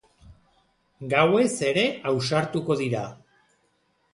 Gauez ere ausartuko dira.